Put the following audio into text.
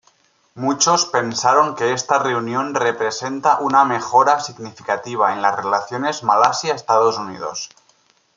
Muchos pensaron que esta reunión representa una mejora significativa En las relaciones Malasia-Estados Unidos.